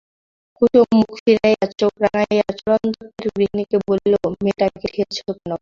কুসুম মুখ ফিরাইয়া চোখ রাঙাইয়া চরণ দত্তের গৃহিণীকে বলিল, মেয়েটাকে ঠেলছ কেন গা?